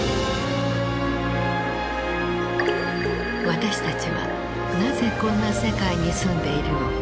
私たちはなぜこんな世界に住んでいるのか。